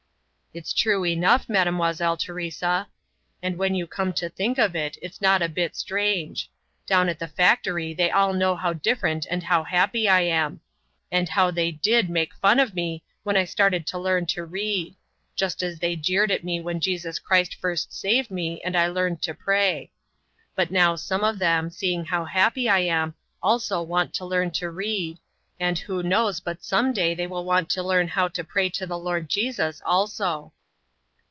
"It's true enough, Mademoiselle Teresa, and when you come to think of it, it's not a bit strange. Down at the factory they all know how different and how happy I am. And how they did make fun of me when I started to learn to read; just as they jeered at me when Jesus Christ first saved me and I learned to pray. But now some of them, seeing how happy I am, also want to learn to read, and who knows but some day they will want to know how to pray to the Lord Jesus also."